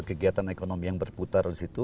kegiatan ekonomi yang berputar di situ